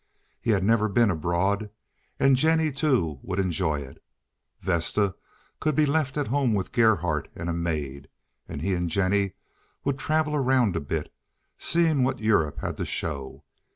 He had never been abroad, and Jennie, too, would enjoy it. Vesta could be left at home with Gerhardt and a maid, and he and Jennie would travel around a bit, seeing what Europe had to show.